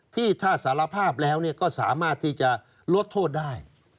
ที่ถ้าสารภาพแล้วก็สามารถที่จะลดโทษได้